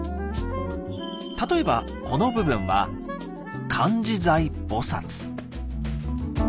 例えばこの部分は「観自在菩」。